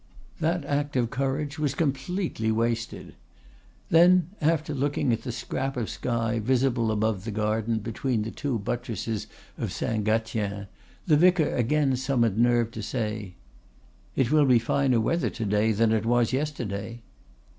That act of courage was completely wasted. Then, after looking at the scrap of sky visible above the garden between the two buttresses of Saint Gatien, the vicar again summoned nerve to say, "It will be finer weather to day than it was yesterday."